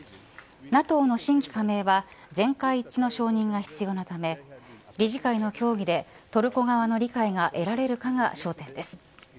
ＮＡＴＯの新規加盟は全会一致の承認が必要なため理事会の協議でトルコ側の理解が得られるかが焦点です。